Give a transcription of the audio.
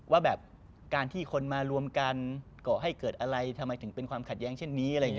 ว่าแบบการที่คนมารวมกันก่อให้เกิดอะไรทำไมถึงเป็นความขัดแย้งเช่นนี้อะไรอย่างนี้